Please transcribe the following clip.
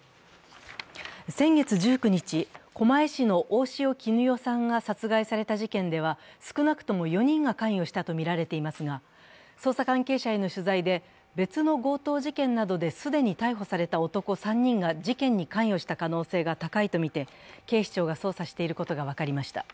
先月１９日、狛江市の大塩衣与さんが殺害された事件では、少なくとも４人が関与したとみられていますが捜査関係者への取材で、別の強盗事件などで既に逮捕された男３人が事件に関与した可能性が高いとみて警視庁が捜査していることが分かりました。